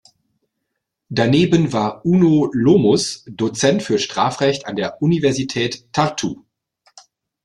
Daneben war Uno Lõhmus Dozent für Strafrecht an der Universität Tartu.